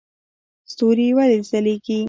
ستوري ولې ځلیږي؟